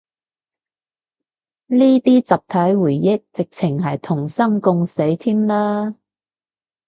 呢啲集體回憶，直程係同生共死添啦